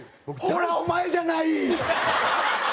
ほらお前じゃない！